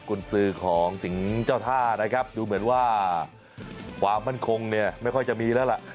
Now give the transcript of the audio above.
คุณซื้อของสิงห์เจ้าท่านะครับดูเหมือนว่าความมั่นคงเนี่ยไม่ค่อยจะมีแล้วล่ะ